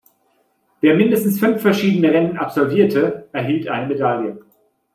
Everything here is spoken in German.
Wer mindestens fünf verschiedene Rennen absolvierte, erhielt eine Medaille.